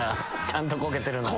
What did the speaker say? ちゃんとこけてるな。